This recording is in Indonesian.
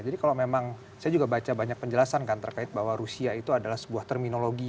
jadi kalau memang saya juga baca banyak penjelasan kan terkait bahwa rusia itu adalah sebuah terminologi